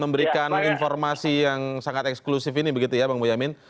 memberikan informasi yang sangat eksklusif ini begitu ya bang boyamin